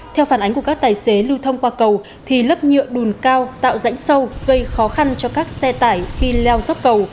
theo phản ánh của các tài xế lưu thông qua cầu thì lớp nhựa đùn cao tạo rãnh sâu gây khó khăn cho các xe tải khi leo dốc cầu